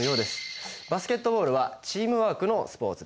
バスケットボールはチームワークのスポーツです。